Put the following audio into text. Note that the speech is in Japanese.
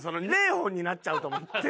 ０本になっちゃうと思って。